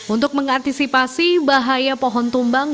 untuk mengantisipasi bahaya pohon tumbang